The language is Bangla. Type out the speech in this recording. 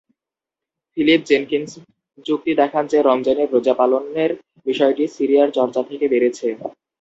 ফিলিপ জেনকিন্স যুক্তি দেখান যে রমজানের রোজা পালনের বিষয়টি "সিরিয়ার চর্চা" থেকে বেড়েছে।